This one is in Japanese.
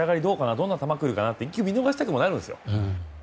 どんな球来るかって１球、見逃したくもなるんですよ。